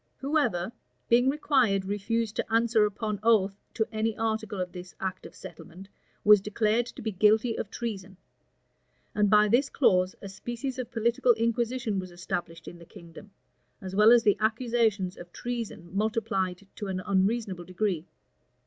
Whoever, being required, refused to answer upon oath to any article of this act of settlement, was declared to be guilty of treason; and by this clause a species of political inquisition was established in the kingdom, as well as the accusations of treason multiplied to an unreasonable degree.